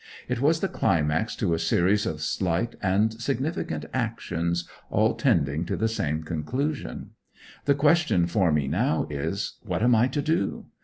It was the climax to a series of slight and significant actions all tending to the same conclusion. The question for me now is, what am I to do?